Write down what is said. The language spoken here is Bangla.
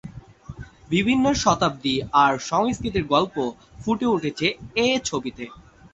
বিভিন্ন শতাব্দী আর সংস্কৃতির গল্প ফুটে উঠেছে এ ছবিতে।